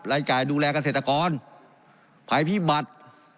รายจ่ายดูแลเกษตรกรภัยพิบัติ